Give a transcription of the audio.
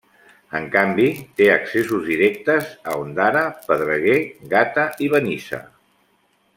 En canvi, té accessos directes a Ondara, Pedreguer, Gata i Benissa.